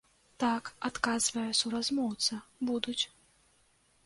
Так, адказвае суразмоўца, будуць.